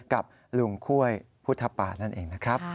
กับลุงค่วยพุทธปานั่นเองนะครับ